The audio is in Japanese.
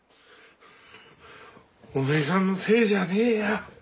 おめえさんのせいじゃあねえや。